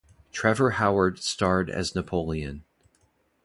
Trevor Howard starred as Napoleon.